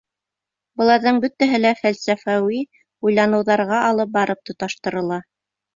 Быларҙың бөтәһе лә фәлсәфәүи уйланыуҙарға алып барып тоташтырыла.